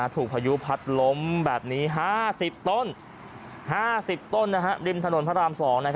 ถูกพายุพัดล้ม๕๐ต้นริมถนนพระราม๒